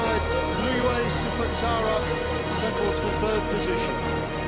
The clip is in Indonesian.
dan di dalam blueway supatsara yang berada di posisi ketiga